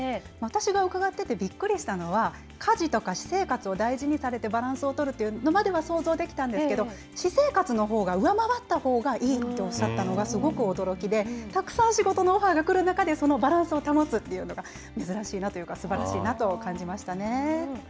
私が伺っててびっくりしたのは、家事とか私生活を大事にされて、バランスを取るということまでは想像できたんですけど、私生活のほうが上回ったほうがいいとおっしゃったのが、すごく驚きで、たくさん仕事のオファーが来る中で、そのバランスを保つっていうのが、珍しいなというか、すばらしいなと感じましたね。